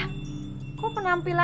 jadi makanya pengganti uri